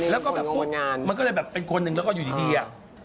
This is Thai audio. แล้วก็แบบพูดมันก็เลยแบบเป็นคนหนึ่งแล้วก็อยู่ดีอ่ะ